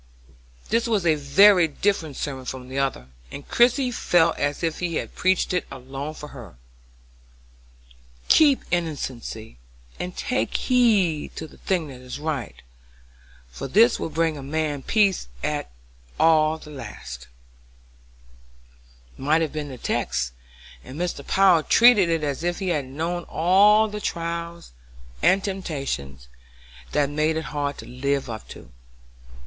This was a very different sermon from the other, and Christie felt as if he preached it for her alone. "Keep innocency and take heed to the thing that is right, for this will bring a man peace at the last," might have been the text, and Mr. Power treated it as if he had known all the trials and temptations that made it hard to live up to.